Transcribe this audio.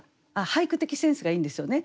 俳句的センスがいいんですよね。